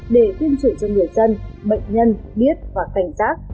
để tiên chuẩn cho người dân bệnh nhân biết và cảnh giác